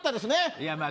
いやまあ